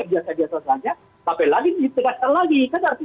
biasanya sampai lagi ditegaskan lagi